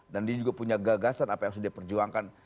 dan dia juga punya gagasan apa yang harus diperjuangkan